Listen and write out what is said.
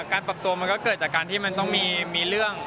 การปรับตัวมันก็เกิดจากการที่มันต้องมีเรื่อง